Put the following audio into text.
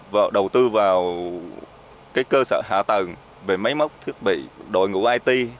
và đầu tư vào cái cơ sở hạ tầng về máy móc thiết bị đội ngũ it